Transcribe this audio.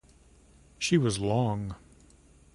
She was long.